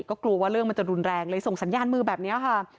ก็กลัวว่าเรื่องมันจะรุนแรงเลยส่งสัญญาณมือแบบนี้ค่ะ